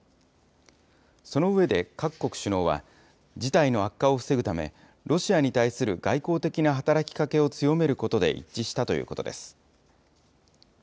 その上で、各国首脳は、事態の悪化を防ぐため、ロシアに対する外交的な働きかけを強めることで一致したということです。